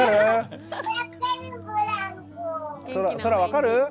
そら分かる？